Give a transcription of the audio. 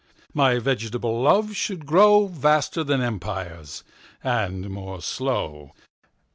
My vegetable Love should growVaster then Empires, and more slow.